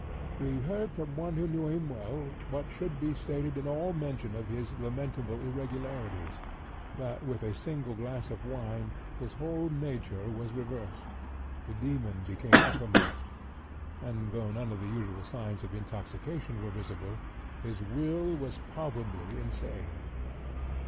"We heard, from one who knew him well (what should be stated in all mention of his lamentable irregularities), that with a single glass of wine his whole nature was reversed, the demon became uppermost, and, though none of the usual signs of intoxication were visible, his will was palpably insane.